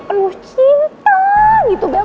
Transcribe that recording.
penuh cinta gitu bel